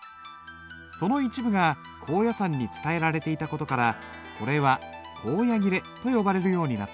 その一部が高野山に伝えられていた事からこれは「高野切」と呼ばれるようになった。